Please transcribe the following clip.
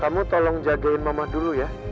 kamu tolong jagain mama dulu ya